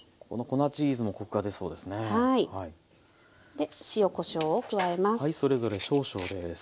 で塩こしょうを加えます。